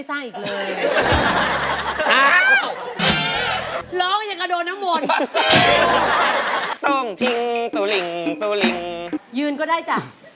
สวัสดีครับ